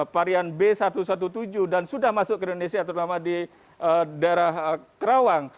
varian b satu satu tujuh dan sudah masuk ke indonesia terutama di daerah kerawang